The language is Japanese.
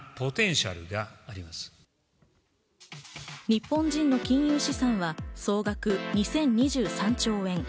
日本人の金融資産は総額２０２３兆円。